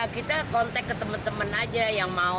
kita kontak ke teman teman aja yang mau